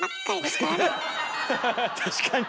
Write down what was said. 確かに。